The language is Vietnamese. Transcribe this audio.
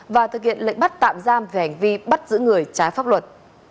và thực hiện lệnh bắt tạm giam về hành vi bắt giữ người trái pháp luật